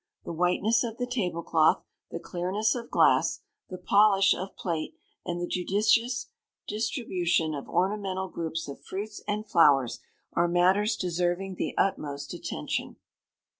The whiteness of the table cloth, the clearness of glass, the polish of plate, and the judicious distribution of ornamental groups of fruits and flowers, are matters deserving the utmost attention.